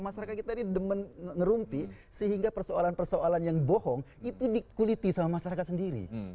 masyarakat kita ini demen ngerumpi sehingga persoalan persoalan yang bohong itu dikuliti sama masyarakat sendiri